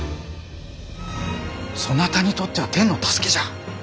そなたにとっては天の助けじゃ。